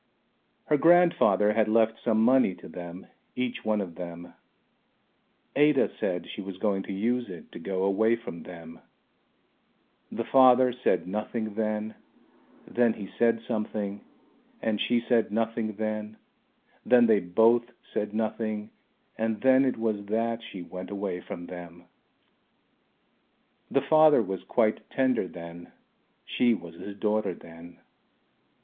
Her grandfather had left some money to them each one of them. Ada said she was going to use it to go away from them. The father said nothing then, then he said something and she said nothing then, then they both said nothing and then it was that she went away from them. The father was quite tender then, she was his daughter then.